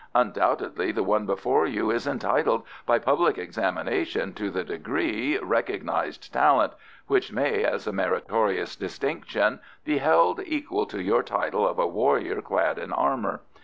"Undoubtedly the one before you is entitled by public examination to the degree 'Recognised Talent,' which may, as a meritorious distinction, be held equal to your title of a warrior clad in armour.